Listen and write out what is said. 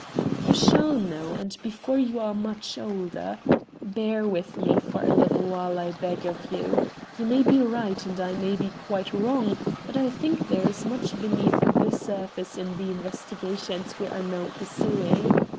"You shall know, and before you are much older. Bear with me for a little while, I beg of you. You may be right, and I may be quite wrong, but I think there is much beneath the surface in the investigations we are now pursuing.